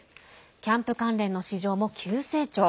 キャンプ関連の市場も急成長。